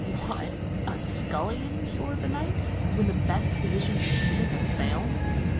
'What! a scullion cure the knight when the best physicians in the kingdom have failed?'